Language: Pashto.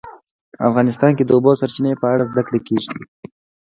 افغانستان کې د د اوبو سرچینې په اړه زده کړه کېږي.